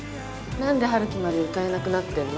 何で陽樹まで歌えなくなってんの？